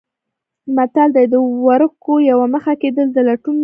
متل دی: د ورکو یوه مخه کېدل د لټون ډېرې.